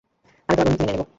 আমি তোমার বন্ধুকে মেনে নেবো।